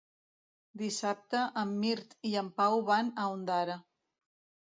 Dissabte en Mirt i en Pau van a Ondara.